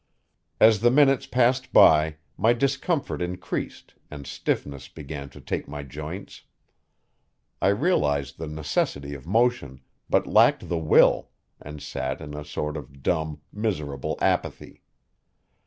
As the minutes passed by my discomfort increased and stiffness began to take my joints. I realized the necessity of motion, but lacked the will, and sat in a sort of dumb, miserable apathy.